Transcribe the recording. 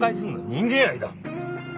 人間愛だ！